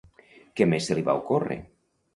Què més se li va ocórrer?